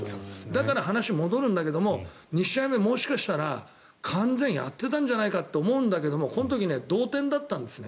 だから、話が戻るんだけど２試合目もしかしたら完全をやってたんじゃないかと思うんだけどこの時、同点だったんですよ。